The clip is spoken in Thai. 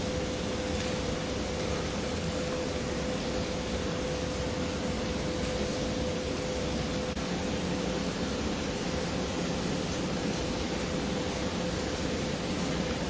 สวัสดีครับทุกคน